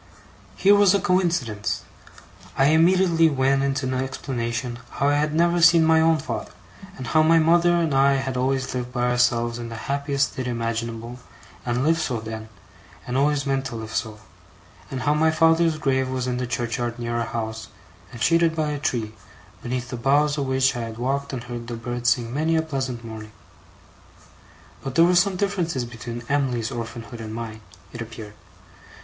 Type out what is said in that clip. Here was a coincidence! I immediately went into an explanation how I had never seen my own father; and how my mother and I had always lived by ourselves in the happiest state imaginable, and lived so then, and always meant to live so; and how my father's grave was in the churchyard near our house, and shaded by a tree, beneath the boughs of which I had walked and heard the birds sing many a pleasant morning. But there were some differences between Em'ly's orphanhood and mine, it appeared.